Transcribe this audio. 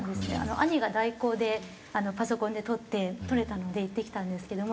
兄が代行でパソコンで取って取れたので行ってきたんですけども。